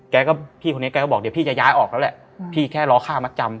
แกก็บอกเดี๋ยวพี่จะย้ายออกแล้วแหละพี่แค่รอค่ามาจำ